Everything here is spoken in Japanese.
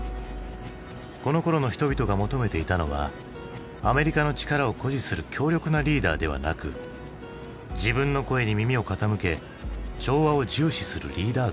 このころの人々が求めていたのはアメリカの力を誇示する強力なリーダーではなく自分の声に耳を傾け調和を重視するリーダー像。